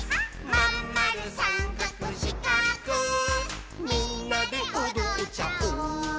「まんまるさんかくしかくみんなでおどっちゃおう」